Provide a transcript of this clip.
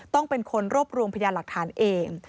ต้องเป็นคนรวบรวมพยานหลักฐานเอง